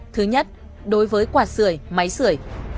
thứ nhất đối với quạt sửa máy sửa